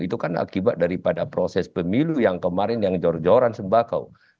itu kan akibat daripada proses pemilu yang kemarin yang jor joran sembako